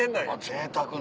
ぜいたくな。